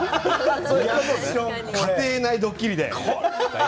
家庭内ドッキリで。